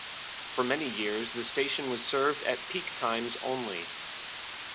For many years the station was served at peak times only.